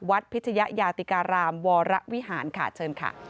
พิชยยาติการามวรวิหารค่ะเชิญค่ะ